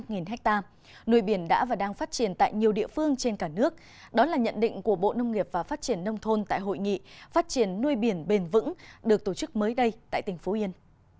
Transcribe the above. nghìn hectare nuôi biển đã và đang phát triển tại nhiều địa phương trên cả nước đó là nhận định của bộ nông nghiệp và phát triển nông thôn tại hội nghị phát triển nuôi biển bền vững được tổ chức mới đây tại tỉnh phú yên